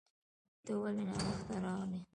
ته ولې ناوخته راغلې